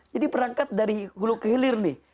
jadi perangkat dari hulu kehilir nih